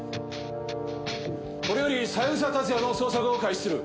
これより三枝達也の捜索を開始する。